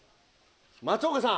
松岡さん。